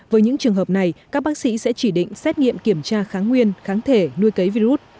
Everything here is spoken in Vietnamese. với những trường hợp này các bác sĩ sẽ chỉ định xét nghiệm kiểm tra kháng nguyên kháng thể nuôi cấy virus